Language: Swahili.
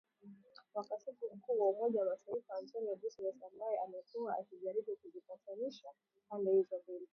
wa katibu mkuu wa Umoja wa Mataifa Antonio Guterres, ambaye amekuwa akijaribu kuzipatanisha pande hizo mbili